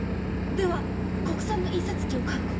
では国産の印刷機を買うことも？